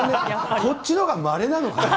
こっちのほうがまれなのかな？